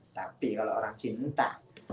tapi kalau orang cinta